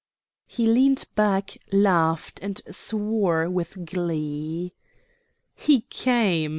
He leant back, laughed, and swore with glee. "He came.